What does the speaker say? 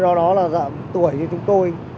do đó là tuổi như chúng tôi